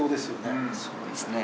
そうですね。